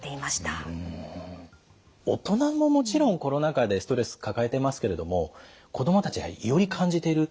大人ももちろんコロナ禍でストレス抱えてますけれども子どもたちはより感じている。